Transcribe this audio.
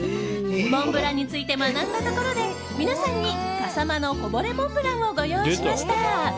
モンブランについて学んだところで皆さんに笠間のこぼれモンブランをご用意しました。